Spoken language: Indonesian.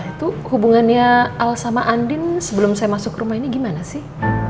itu hubungannya al sama andin sebelum saya masuk rumah ini gimana sih